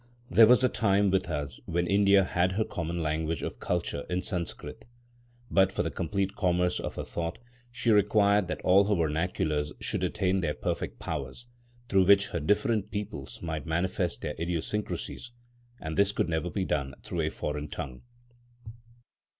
There was a time with us when India had her common language of culture in Sanskrit. But, for the complete commerce of her thought, she required that all her vernaculars should attain their perfect powers, through which her different peoples might manifest their idiosyncrasies; and this could never be done through a foreign tongue.